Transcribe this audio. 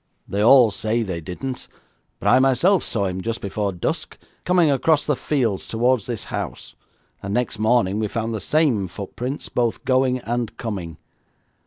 'They all say they didn't, but I myself saw him, just before dusk, coming across the fields towards this house, and next morning we found the same footprints both going and coming.